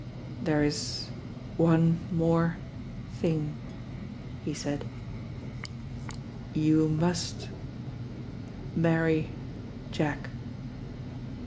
"There is one more thing," he said. "You must marry Jack.